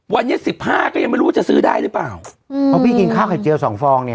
วันนี้สิบห้าก็ยังไม่รู้ว่าจะซื้อได้หรือเปล่าอืมเพราะพี่กินข้าวไข่เจียวสองฟองเนี้ย